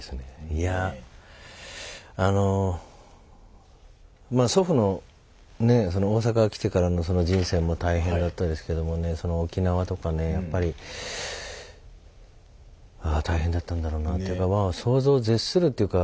いやあのまあ祖父のねその大阪来てからのその人生も大変だったですけどもねその沖縄とかねやっぱりああ大変だったんだろうなというかまあ想像を絶するというか。